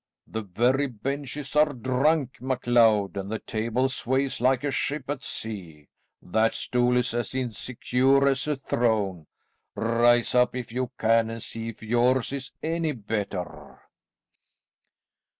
"The very benches are drunk, MacLeod, and the table sways like a ship at sea. That stool is as insecure as a throne. Rise up if you can and see if yours is any better."